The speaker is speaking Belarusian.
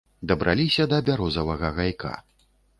Дабраліся да бярозавага гайка.